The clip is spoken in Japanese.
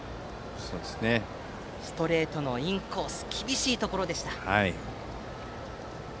ストレートのインコース厳しいところでした。